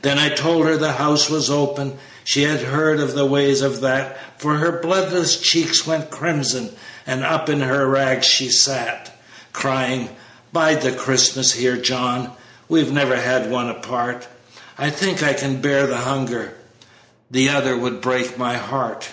"Then I told her 'the House' was open; She had heard of the ways of that, For her bloodless cheeks went crimson, And up in her rags she sat, Crying, 'Bide the Christmas here, John, We've never had one apart; I think I can bear the hunger, The other would break my heart.'